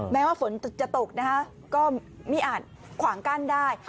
แม้ว่าฝนจะตกนะคะก็ไม่อาจขวางกั้นได้